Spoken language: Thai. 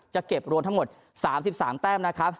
เก็บรวมทั้งหมด๓๓แต้มนะครับ